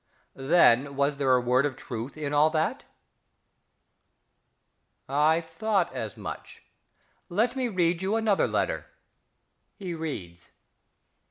Then was there a word of truth in all that?... I thought as much. Let me read you another letter. (_He reads.